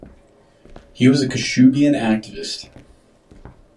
He was a Kashubian activist.